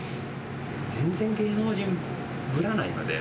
全然芸能人ぶらないので。